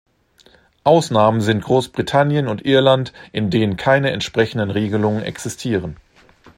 Ausnahmen sind Großbritannien und Irland, in denen keine entsprechenden Regelungen existieren.